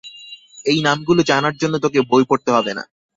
এই নামগুলো জানার জন্য তোকে বই পড়তে হবেনা।